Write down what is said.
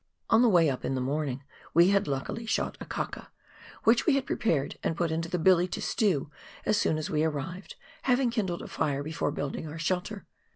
On the way up in the morning we had luckily shot a kaka, which we had prepared and put into the billy to stew as soon as we arrived, having kindled a fire before building our shelter.